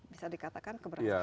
bisa dikatakan keberatan